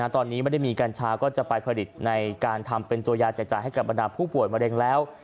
ตอนนี้ไม่ได้มีกัญชาก็จะไปผลิตในการทำเป็นตัวยาแจกจ่ายให้กับบรรดาผู้ป่วยมะเร็งแล้ว